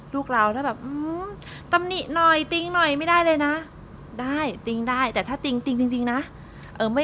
ลูกเราถ้าแบบตำหนิหน่อยติ๊งหน่อยไม่ได้เลยนะได้ติ๊งได้แต่ถ้าติ๊งติ้งจริงนะ